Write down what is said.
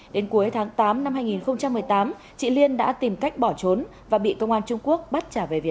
đến cuối tháng tám năm hai nghìn một mươi tám chị liên đã tìm cách bỏ trốn và bị công an trung quốc bắt